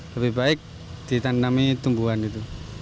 lebih baik ditandami tumbuhan gitu